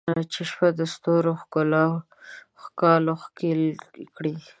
چې شپه د ستورو ښکالو ښکل کړي